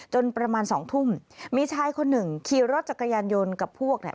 ประมาณสองทุ่มมีชายคนหนึ่งขี่รถจักรยานยนต์กับพวกเนี่ย